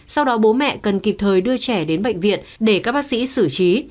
sau đó bố mẹ cần kịp thời đưa trẻ đến bệnh viện để các bác sĩ xử trí